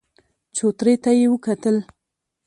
چوترې ته يې وکتل.